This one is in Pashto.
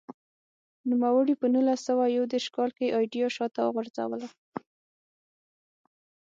نوموړي په نولس سوه یو دېرش کال کې ایډیا شاته وغورځوله.